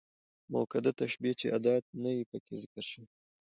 مؤکده تشبيه، چي ادات نه يي پکښي ذکر سوي.